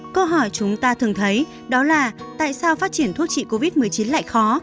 câu hỏi chúng ta thường thấy đó là tại sao phát triển thuốc trị covid một mươi chín lại khó